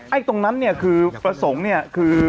ตรงนั้นเนี่ยคือประสงค์เนี่ยคือ